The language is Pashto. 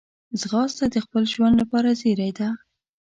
ځغاسته د خپل ژوند لپاره زېری ده